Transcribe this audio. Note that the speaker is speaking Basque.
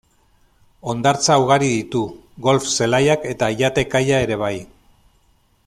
Hondartza ugari ditu, golf zelaiak eta yate kaia ere bai.